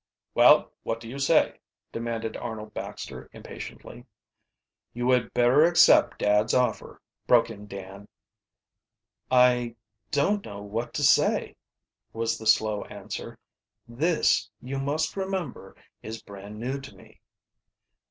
"Well, what do you say?" demanded Arnold Baxter impatiently. "You had better accept dad's offer," broke in Dan. "I don't know what to say," was the slow answer. "This, you must remember, is brand new to me."